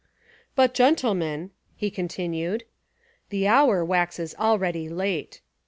"But, gentlemen," he continued, "the hour waxes already late.